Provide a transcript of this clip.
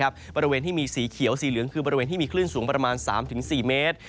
บริเวณที่มีสีเขียวสีเหลืองคือบริเวณที่มีคลื่นสูงประมาณ๓๔เมตร